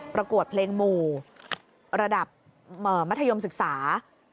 ประกวดเพลงหมู่ระดับมัธยมศึกษา